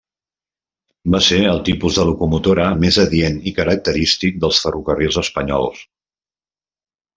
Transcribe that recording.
Va ser el tipus de locomotora més adient i característic dels ferrocarrils espanyols.